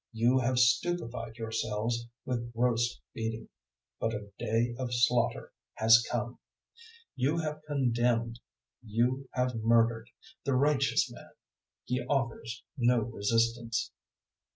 You have stupefied yourselves with gross feeding; but a day of slaughter has come. 005:006 You have condemned you have murdered the righteous man: he offers no resistance.